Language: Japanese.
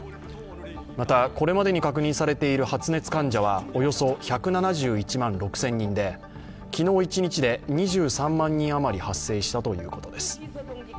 また、これまでに確認されている発熱患者はおよそ１７１万６０００人で、今日一日で２３万人余り発生したということです